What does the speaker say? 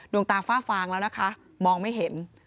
ดวงตาฝ้าฟางแล้วนะคะมองไม่เห็น